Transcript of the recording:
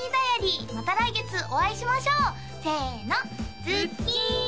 また来月お会いしましょうせのズッキーン！